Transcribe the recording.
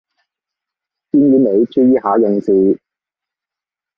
建議你注意下用字